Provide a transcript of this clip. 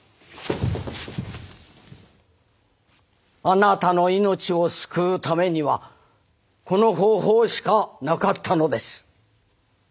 あなたの命を救うためにはこの方法しかなかったのです。